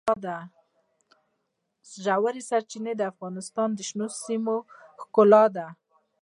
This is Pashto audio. ژورې سرچینې د افغانستان د شنو سیمو ښکلا ده.